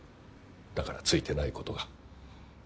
だからついてないことが。